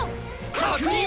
確認！